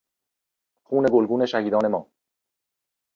خون گلگون شهیدان ما